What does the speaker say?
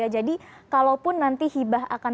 jadi kalau pun nanti hibah akan